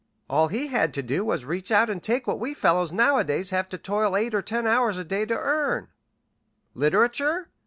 All he had to do was to reach out and take what we fellows nowadays have to toil eight or ten hours a day to earn. Literature?